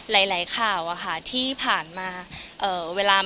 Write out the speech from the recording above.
ไม่มีเลยค่ะไม่มีเลยค่ะ